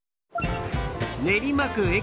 練馬区江